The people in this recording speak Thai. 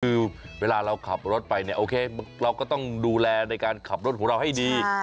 คือเวลาเราขับรถไปเนี่ยโอเคเราก็ต้องดูแลในการขับรถของเราให้ดี